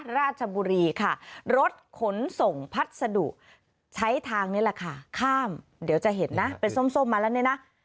ราชบุรีค่ะรถขนส่งพัสดุใช้ทางนี้แหละค่ะข้ามเดี๋ยวจะเห็นนะเป็นส้มมาแล้วเนี่ยนะ